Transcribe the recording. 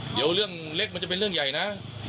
เดี๋ยวเรื่องเล็กมันจะเป็นเรื่องใหญ่นะ